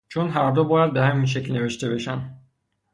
چون هر دو باید به همین شکل نوشته بشن